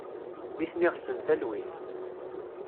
Nitni ɣsen talwit.